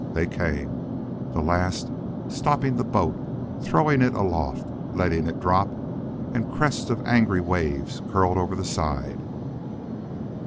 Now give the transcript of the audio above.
They came the last stopping the boat throwing it aloft letting it drop and crests of angry waves curled over the side.